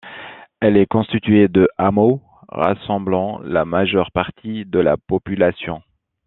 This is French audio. Elle est constituée de hameaux rassemblant la majeure partie de la population.